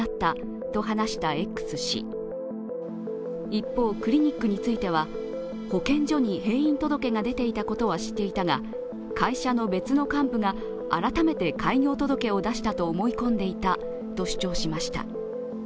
一方、クリニックについては保健所に閉院届が出ていたことは知っていたが会社の別の患部が改めて開業届を出したと思い込んでいたと主張しました。